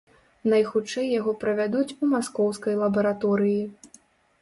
Найхутчэй яго правядуць у маскоўскай лабараторыі.